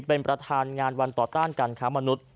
เป็นประธานงานวันต่อต้านการค้ามนุษย์